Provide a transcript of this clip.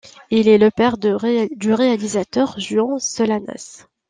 Il est le père du réalisateur Juan Solanas.